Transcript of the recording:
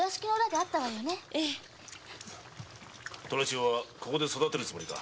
寅千代はここで育てるつもりか？